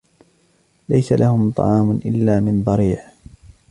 لَيْسَ لَهُمْ طَعَامٌ إِلَّا مِنْ ضَرِيعٍ